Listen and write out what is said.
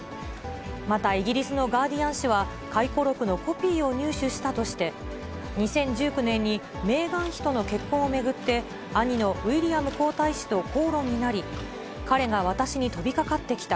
また、イギリスのガーディアン紙は、回顧録のコピーを入手したとして、２０１９年にメーガン妃との結婚を巡って、兄のウィリアム皇太子と口論になり、彼が私に飛びかかってきた。